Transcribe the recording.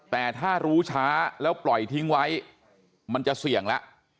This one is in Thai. แต่ถ้ารู้ช้าแล้วปล่อยทิ้งไว้มันจะเสี่ยงแล้ว